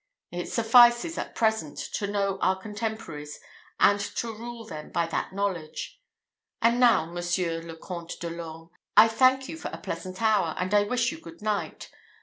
It suffices, at present, to know our contemporaries, and to rule them by that knowledge. And now, Monsieur le Comte de l'Orme, I thank you for a pleasant hour, and I wish you good night.